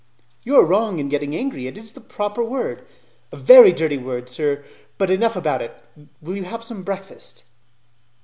"You are wrong in getting angry; it is the proper word." "A very dirty word, sir, but enough about it. Will you have some breakfast?"